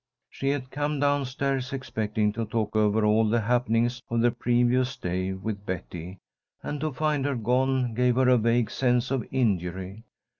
She had come down stairs expecting to talk over all the happenings of the previous day with Betty, and to find her gone gave her a vague sense of injury.